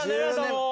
もう。